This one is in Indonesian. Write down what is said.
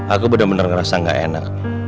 aku bener bener ngerasa gak enak